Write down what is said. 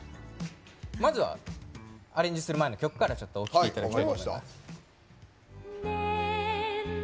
まずはアレンジする前の曲からちょっとお聴きいただきたいです。